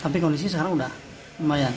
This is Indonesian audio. tapi kondisinya sekarang udah lumayan